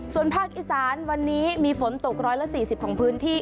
ส่วนภาคอีสานวันนี้มีฝนตก๑๔๐ของพื้นที่